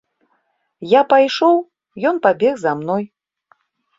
Я пайшоў, ён пабег за мной.